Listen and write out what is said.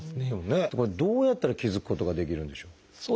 これどうやったら気付くことができるんでしょう？